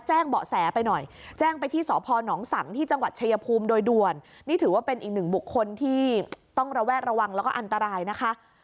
เบาะแสไปหน่อยแจ้งไปที่สพนสังที่จังหวัดชายภูมิโดยด่วนนี่ถือว่าเป็นอีกหนึ่งบุคคลที่ต้องระแวดระวังแล้วก็อันตรายนะคะ